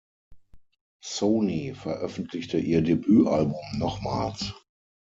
Sony veröffentlichte ihr Debütalbum nochmals.